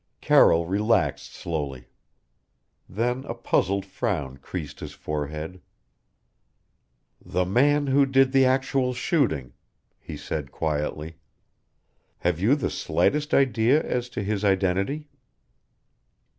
Carroll relaxed slowly. Then a puzzled frown creased his forehead "The man who did the actual shooting," he said quietly "have you the slightest idea as to his identity?"